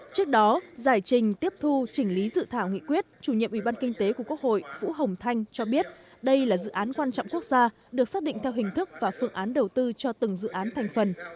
trước đó giải trình tiếp thu chỉnh lý dự thảo nghị quyết chủ nhiệm ủy ban kinh tế của quốc hội vũ hồng thanh cho biết đây là dự án quan trọng quốc gia được xác định theo hình thức và phương án đầu tư cho từng dự án thành phần